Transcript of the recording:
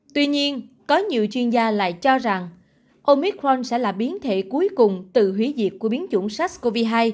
tuy nhiên có nhiều chuyên gia lại cho rằng omit fron sẽ là biến thể cuối cùng từ hủy diệt của biến chủng sars cov hai